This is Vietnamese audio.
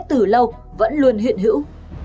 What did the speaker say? từ lâu vẫn luôn hiện hữu